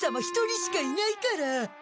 一人しかいないから。